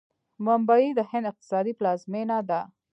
ممبۍ د هند اقتصادي پلازمینه ده.